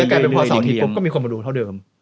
กลายเป็นพอเสาร์อาทิตย์ปุ๊บก็มีคนมาดูเท่าเดิม